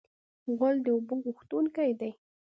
غول د اوبو غوښتونکی دی.